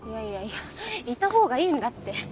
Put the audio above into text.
いやいたほうがいいんだって。